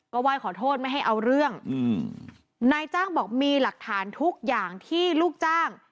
ไหว้ขอโทษไม่ให้เอาเรื่องอืมนายจ้างบอกมีหลักฐานทุกอย่างที่ลูกจ้าง